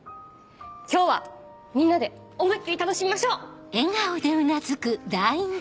今日はみんなで思いっきり楽しみましょう！